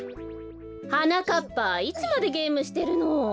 はなかっぱいつまでゲームしてるの？